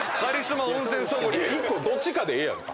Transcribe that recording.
１個どっちかでええやんか。